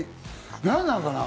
何なのかな？